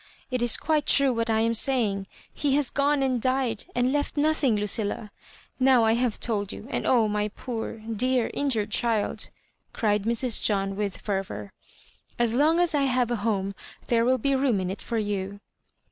It is quito true what I am saying. He has gone and died and left nothing, Lucilla. Now I have told you; and oh, my poor, dear, In jured child," cried Mrs. John, with fervour, " as long as I have a home there will be room in it for you."